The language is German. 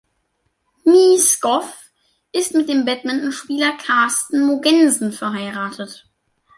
Mie Skov ist mit dem Badmintonspieler Carsten Mogensen verheiratet.